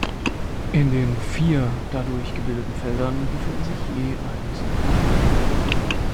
In den vier dadurch gebildeten Feldern befindet sich je eine silberne Kugel.